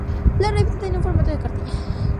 La revista tenía un formato de cartilla.